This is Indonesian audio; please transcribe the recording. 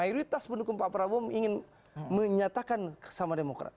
mayoritas pendukung pak prabowo ingin menyatakan sama demokrat